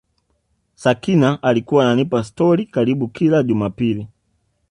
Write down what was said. Sakina alikuwa ananipa stori karibu kila Jumapili